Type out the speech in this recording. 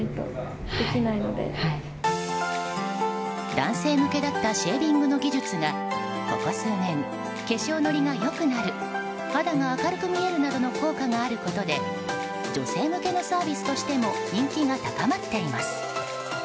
男性向けだったシェービングの技術がここ数年、化粧乗りが良くなる肌が明るく見えるなどの効果があることで女性向けのサービスとしても人気が高まっています。